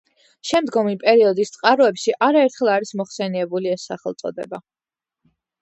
შემდგომი პერიოდის წყაროებში არაერთხელ არის მოხსენიებული ეს სახელწოდება.